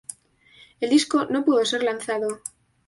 El disco no pudo ser lanzado.